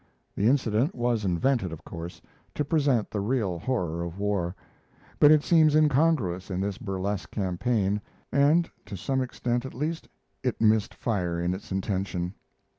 The incident was invented, of course, to present the real horror of war, but it seems incongruous in this burlesque campaign, and, to some extent at least, it missed fire in its intention.